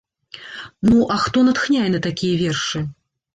Ну, а хто натхняе на такія вершы?